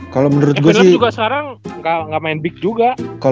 kevin love juga sekarang gak main big juga